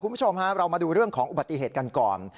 คุณผู้ชมฮะเรามาดูเรื่องของอุบัติเหตุกันก่อน